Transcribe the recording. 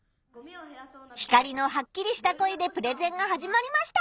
ヒカリのはっきりした声でプレゼンが始まりました。